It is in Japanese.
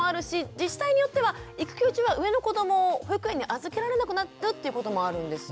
自治体によっては育休中は上の子どもを保育園に預けられなくなるということもあるんですよね。